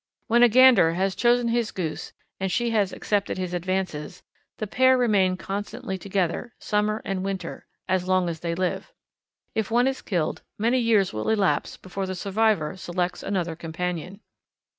When a gander has chosen his goose and she has accepted his advances, the pair remain constantly together, summer and winter, as long as they live. If one is killed, many years may elapse before the survivor selects another companion.